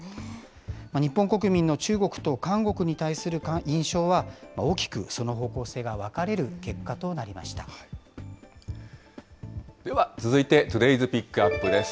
日本国民の中国と韓国に対する印象は大きくその方向性が分かれるでは続いてトゥデイズ・ピックアップです。